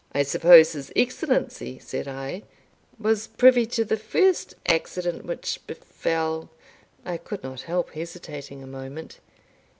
"I suppose his Excellency," said I, "was privy to the first accident which befell" I could not help hesitating a moment.